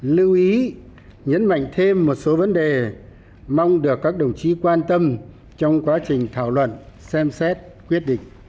lưu ý nhấn mạnh thêm một số vấn đề mong được các đồng chí quan tâm trong quá trình thảo luận xem xét quyết định